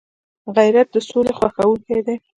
غیرت د سولي خوښونکی دی